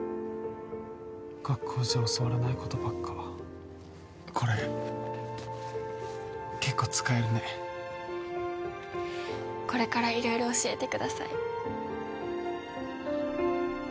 学校じゃ教わらないことばっかこれ結構使えるねこれから色々教えてください